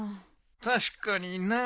確かにな。